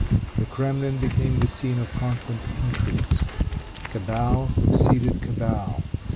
The Kremlin became the scene of constant intrigues. Cabal succeeded cabal.